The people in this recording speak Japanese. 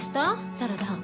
サラダ。